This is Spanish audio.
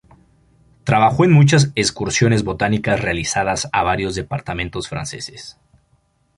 Trabajó en muchas excursiones botánicas realizadas a varios departamentos franceses.